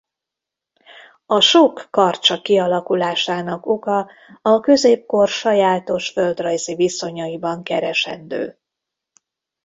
A sok Karcsa kialakulásának oka a középkor sajátos földrajzi viszonyaiban keresendő.